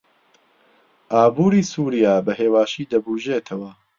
ئابووری سووریا بەهێواشی دەبوژێتەوە.